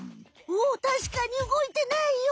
おたしかに動いてないよ！